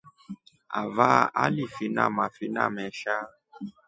Avaa alifina mafina mesha.